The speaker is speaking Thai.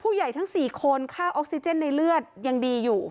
ผู้ใหญ่ทั้ง๔คนค่าออกซิเจนในเลือดยังดีอยู่